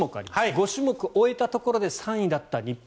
５種目終えたところで３位だった日本。